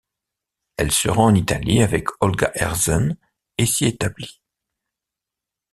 Elle se rend en Italie avec Olga Herzen, et s'y établit.